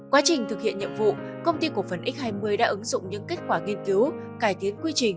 quá trình thực hiện nhiệm vụ công ty cổ phần x hai mươi đã ứng dụng những kết quả nghiên cứu cải tiến quy trình